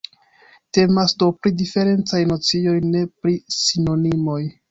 Temas do pri diferencaj nocioj, ne pri sinonimoj.